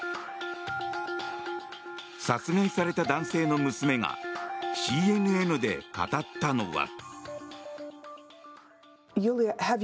殺害された男性の娘がＣＮＮで語ったのは。